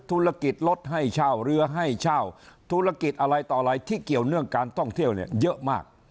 ธุรกิจลดให้เช่าเรือให้เช่าธุรกิจอะไรต่ออะไรที่เกี่ยวเนื่องการท่องเที่ยวเนี่ยเยอะมาก